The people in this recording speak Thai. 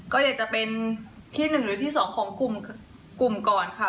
ก็อยากจะเป็นที่๑หรือที่๒ของกลุ่มก่อนค่ะ